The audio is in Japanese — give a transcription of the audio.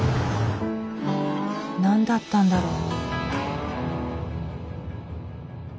何だったんだろう？